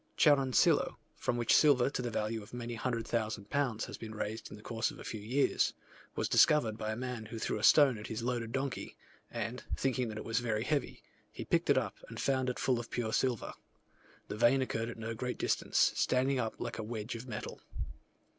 Chanuncillo, from which silver to the value of many hundred thousand pounds has been raised in the course of a few years, was discovered by a man who threw a stone at his loaded donkey, and thinking that it was very heavy, he picked it up, and found it full of pure silver: the vein occurred at no great distance, standing up like a wedge of metal.